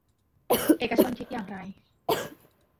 เอกชนคิดอย่างไร